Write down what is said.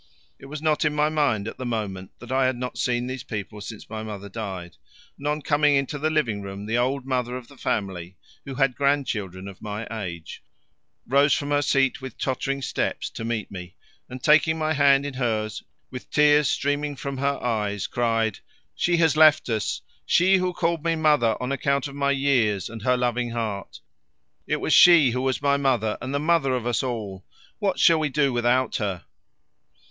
It was not in my mind at the moment that I had not seen these people since my mother died, and on coming into the living room the old mother of the family, who had grandchildren of my age, rose from her seat with tottering steps to meet me, and taking my hand in hers, with tears streaming from her eyes, cried: "She has left us! She who called me mother on account of my years and her loving heart. It was she who was my mother and the mother of us all. What shall we do without her?"